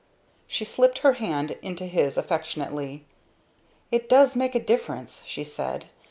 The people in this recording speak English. She slipped her hand into his affectionately. "It does make a difference," she said.